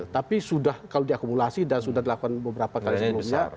tapi sudah kalau diakumulasi dan sudah dilakukan beberapa kali sebelumnya